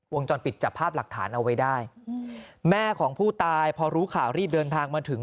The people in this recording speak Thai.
จรปิดจับภาพหลักฐานเอาไว้ได้แม่ของผู้ตายพอรู้ข่าวรีบเดินทางมาถึง